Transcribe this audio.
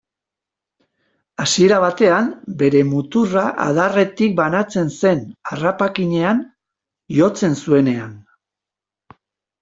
Hasiera batean, bere muturra adarretik banatzen zen harrapakinean jotzen zuenean.